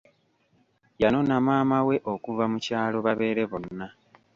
Yanona maama we okuva mu kyalo babeere bonna.